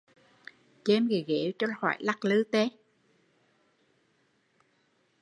Chêm cái ghế cho khỏi lắc lư